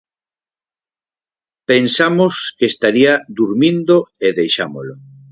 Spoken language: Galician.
Pensamos que estaría durmindo e deixámolo.